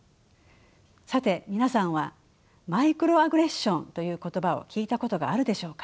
さて皆さんはマイクロアグレッションという言葉を聞いたことがあるでしょうか。